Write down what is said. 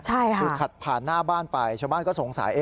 คือขับผ่านหน้าบ้านไปชาวบ้านก็สงสัย